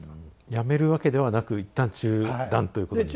やめるわけではなく一旦中断ということになった？